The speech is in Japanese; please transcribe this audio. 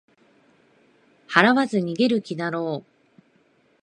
払わず逃げる気だろう